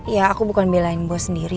ya aku bukan bilangin buat sendiri